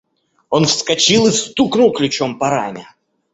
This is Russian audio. – Он вскочил и стукнул ключом по раме.